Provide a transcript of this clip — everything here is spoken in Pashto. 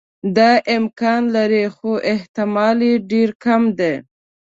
دا امکان لري خو احتمال یې ډېر کم دی.